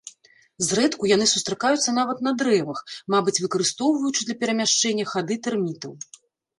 Зрэдку яны сустракаюцца нават на дрэвах, мабыць выкарыстоўваючы для перамяшчэння хады тэрмітаў.